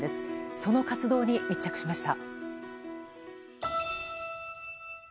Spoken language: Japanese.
その活動に密着しました。